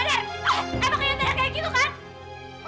emang kalian ternyata kayak gitu kan